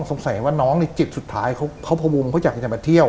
สงสัยว่าน้องในจิตสุดท้ายเขาพวงเขาอยากจะมาเที่ยว